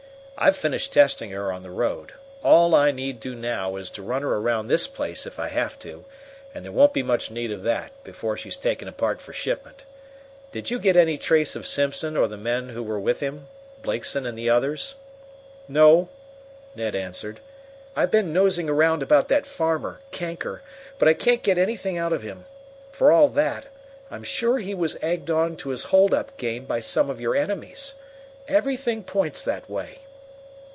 "I've finished testing her on the road. All I need do now is to run her around this place if I have to; and there won't be much need of that before she's taken apart for shipment. Did you get any trace of Simpson or the men who are with him Blakeson and the others?" "No," Ned answered. "I've been nosing around about that farmer, Kanker, but I can't get anything out of him. For all that, I'm sure he was egged on to his hold up game by some of your enemies. Everything points that way."